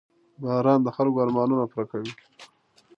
• باران د خلکو ارمانونه پوره کوي.